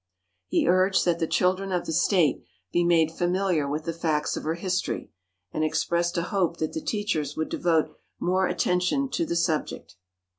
He urged that the children of the State be made familiar with the facts of her history, and expressed a hope that the teachers would devote more attention to the subject.